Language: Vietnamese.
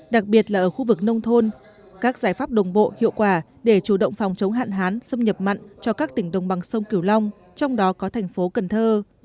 đặc biệt là ở khu vực nông thôn các giải pháp đồng bộ hiệu quả để chủ động phòng chống hạn hán xâm nhập mặn cho các tỉnh đồng bằng sông kiểu long trong đó có thành phố cần thơ